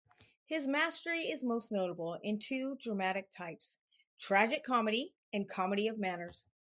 His mastery is most notable in two dramatic types, tragicomedy and comedy of manners.